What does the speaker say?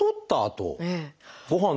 ごはん